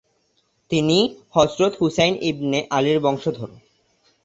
তিনি হযরত হুসাইন ইবনে আলির বংশধর।